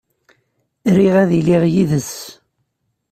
Riɣ ad iliɣ yid-s.